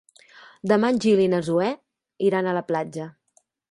Demà en Gil i na Zoè iran a la platja.